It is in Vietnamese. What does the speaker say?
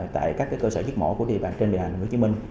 tại các cái cơ sở diết mổ của địa bàn trên địa hành hồ chí minh